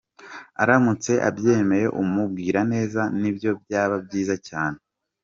Aramutse abyemeye umubwira neza nibyo byaba byiza cyane.